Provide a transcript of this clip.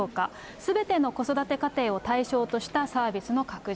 すべての子育て家庭を対象としたサービスの拡充。